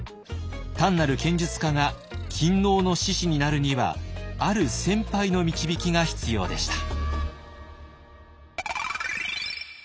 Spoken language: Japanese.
単なる剣術家が勤王の志士になるにはある先輩の導きが必要でした。